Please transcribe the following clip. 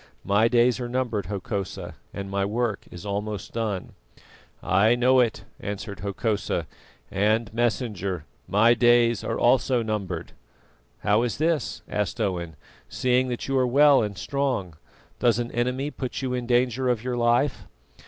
My days are numbered, Hokosa, and my work is almost done." "I know it," answered Hokosa. "And, Messenger, my days are also numbered." "How is this?" asked Owen, "seeing that you are well and strong. Does an enemy put you in danger of your life?"